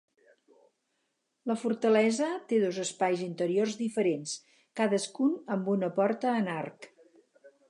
La fortalesa té dos espais interiors diferents, cadascun amb una porta en arc.